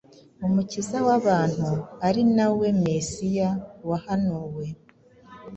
Umukiza w’abantu ari na we Mesiya wahanuwe.